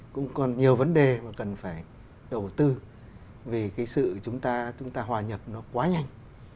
cũng còn nhiều vấn đề mà cần phải đầu tư vì cái sự chúng ta chúng ta hòa nhập nó quá nhanh